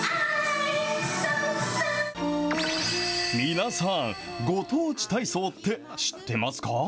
皆さん、ご当地体操って知ってますか？